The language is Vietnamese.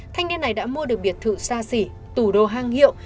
thanh niên này đã mua được biệt thự xa xỉ tủ đô hang hiệu